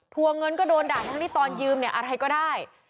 วงเงินก็โดนด่าทั้งที่ตอนยืมเนี่ยอะไรก็ได้